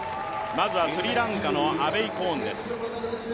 まずはスリランカのアベイコーンです。